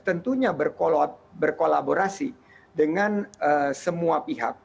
tentunya berkolaborasi dengan semua pihak